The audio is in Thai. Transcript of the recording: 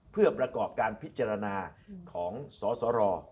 เพื่อประกอบการพิจารณาของสสร